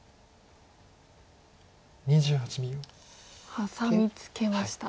ハサミツケました。